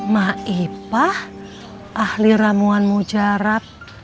maipah ahli ramuan mujarab